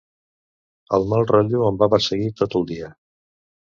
El mal rotllo em va perseguir tot el dia.